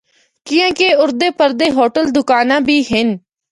کیانکہ اُردے پردے ہوٹل دوکاناں بھی ہن۔